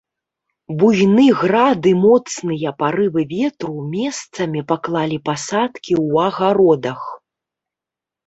Буйны град і моцныя парывы ветру месцамі паклалі пасадкі ў агародах.